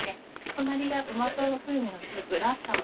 隣がトマト風味のスープラッサム。